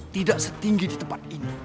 tidak setinggi di tempat ini